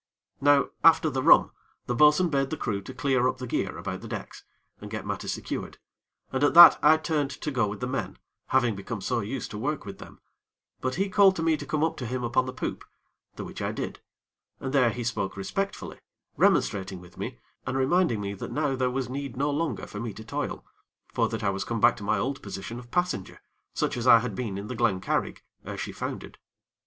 Now, after the rum, the bo'sun bade the crew to clear up the gear about the decks, and get matters secured, and at that I turned to go with the men, having become so used to work with them; but he called to me to come up to him upon the poop, the which I did, and there he spoke respectfully, remonstrating with me, and reminding me that now there was need no longer for me to toil; for that I was come back to my old position of passenger, such as I had been in the Glen Carrig, ere she foundered.